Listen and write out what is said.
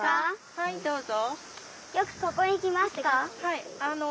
はいどうぞ。